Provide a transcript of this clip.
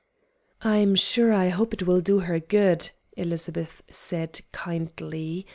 "I'm sure I hope it will do her good," Elizabeth said, kindly.